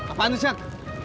apaan itu cek